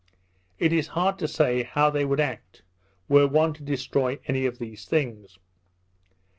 It is hard to say how they would act, were one to destroy any of these things.